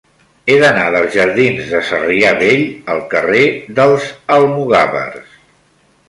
He d'anar dels jardins de Sarrià Vell al carrer dels Almogàvers.